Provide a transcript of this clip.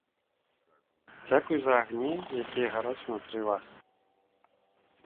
Дзякуй за агні, якія гараць унутры вас!